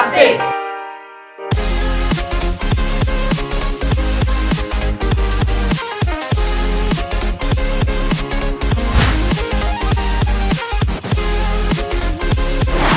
เชิญค่ะ